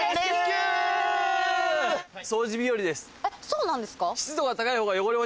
そうなんですか？